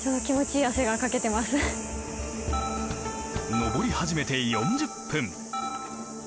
登り始めて４０分。